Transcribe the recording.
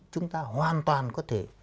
chúng ta hoàn toàn có thể